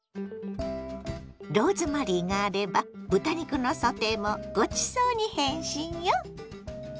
ローズマリーがあれば豚肉のソテーもごちそうに変身よ。